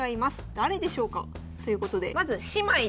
誰でしょうか」ということでまず姉妹です。